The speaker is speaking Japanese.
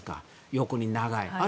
横に長い。